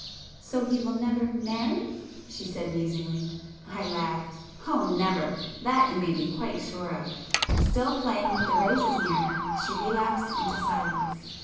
"So he will never marry?" she said musingly. I laughed. "Oh, never! That you may be quite sure of." Still playing with the roses near her, she relapsed into silence.